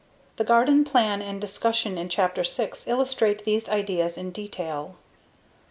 The garden plan and discussion in Chapter 6 illustrate these ideas in detail.